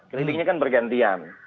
kelilingnya kan bergantian